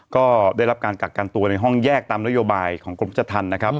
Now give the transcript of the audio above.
ก็ได้รับการกักกันตัวในห้องแยกตามนโยบายของกรมราชธรรมนะครับ